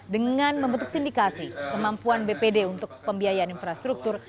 dengan membentuk sindikasi kemampuan bpd untuk pembiayaan infrastruktur